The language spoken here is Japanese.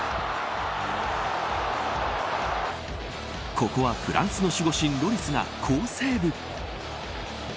ここはフランスの守護神ロリスが好セーブ。